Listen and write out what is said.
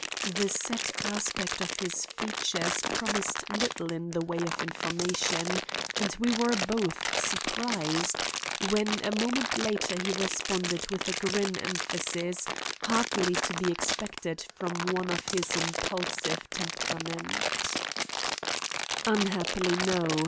The set aspect of his features promised little in the way of information, and we were both surprised when a moment later he responded with a grim emphasis hardly to be expected from one of his impulsive temperament: "Unhappily, no.